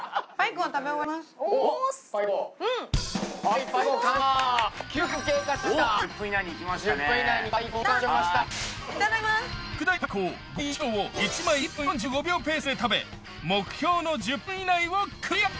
特大パイコー５枚１ｋｇを１枚１分４５秒ペースで食べ目標の１０分以内をクリア！